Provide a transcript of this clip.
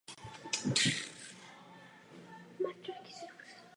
Také jsem slyšela poslední dvě prohlášení Rady.